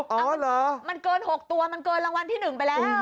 เอาเหรอมันเกิน๖ตัวมันเกินรางวัลที่๑ไปแล้ว